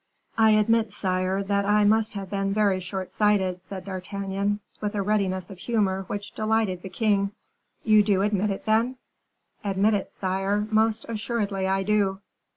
"I admit, sire, that I must have been very short sighted," said D'Artagnan, with a readiness of humor which delighted the king. "You do admit it, then?" "Admit it, sire, most assuredly I do."